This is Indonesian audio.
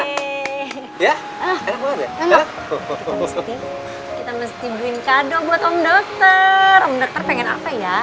dokter dokter pengen apa ya